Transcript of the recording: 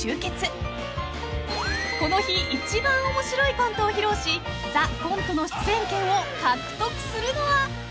［この日一番面白いコントを披露し『ＴＨＥＣＯＮＴＥ』の出演権を獲得するのは］